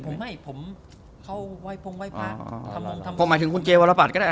ผมให้ผมเข้าไวพงไวพาอ๋อประมาณถึงคุณเจวาระปัดก็ได้อ่ะ